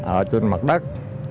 ở trên mặt đất